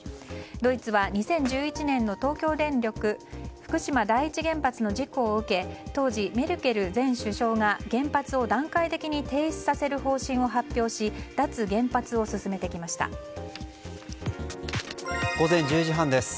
ドイツは２０１１年の東京電力福島第一原発の事故を受け当時、メルケル前首相が原発を段階的に停止させる方針を発表し午前１０時半です。